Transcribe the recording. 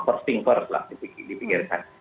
first thing first lah dipikirkan